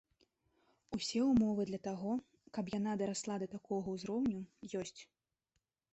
Усе ўмовы для таго, каб яна дарасла да такога ўзроўню, ёсць.